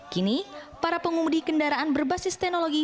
kini para pengumudi kendaraan berbasis teknologi